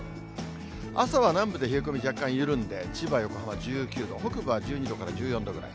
朝は南部で冷え込み、若干緩んで、千葉、横浜１９度、北部は１２度から１４度ぐらい。